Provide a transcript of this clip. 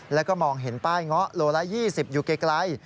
แล้วก็มองเห็นป้ายเงาะโลละ๒๐อยู่ไกล